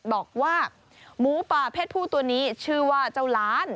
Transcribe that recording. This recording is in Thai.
บอกว่าหมูป่าเพศผู้ตัวนี้ชื่อว่าเจ้าล้าน